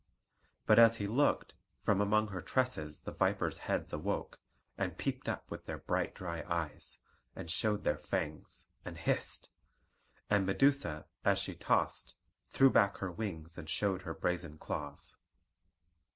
But as he looked, from among her tresses the vipers' heads awoke, and peeped up with their bright dry eyes, and showed their fangs, and hissed; and Medusa, as she tossed, threw back her wings and showed her brazen claws.